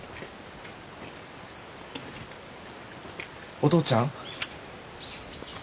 お父ちゃん？